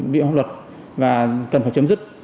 bị hóa luật và cần phải chấm dứt